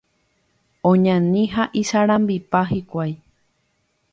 Oñani ha isarambipa hikuái.